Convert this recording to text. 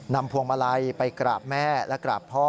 พวงมาลัยไปกราบแม่และกราบพ่อ